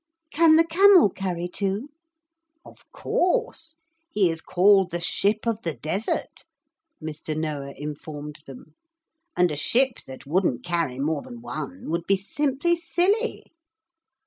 'Can the camel carry two?' 'Of course. He is called the ship of the desert,' Mr. Noah informed them, 'and a ship that wouldn't carry more than one would be simply silly.'